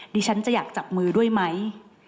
ดิฉันจะอยากจับมือด้วยไหม